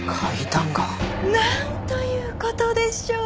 なんという事でしょう！